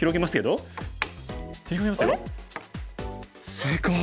正解！